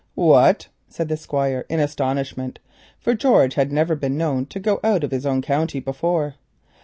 "What?" said the Squire in astonishment, for George had never been known to go out of his own county before.